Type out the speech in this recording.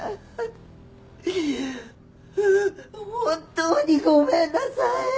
本当にごめんなさい！